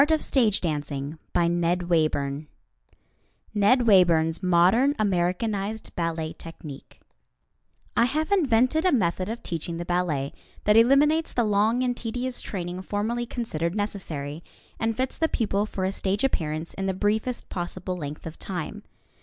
[Illustration: LINA BASQUETTE] NED WAYBURN'S MODERN AMERICANIZED BALLET TECHNIQUE I have invented a method of teaching the ballet that eliminates the long and tedious training formerly considered necessary, and fits the pupil for a stage appearance in the briefest possible length of time.